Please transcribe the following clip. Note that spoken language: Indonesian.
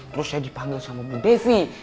terus saya dipanggil sama bu devi